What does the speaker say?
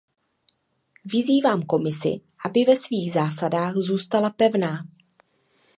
Vyzývám Komisi, aby ve svých zásadách zůstala pevná.